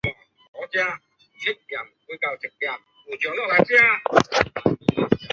白家大地遗址的历史年代为卡约文化。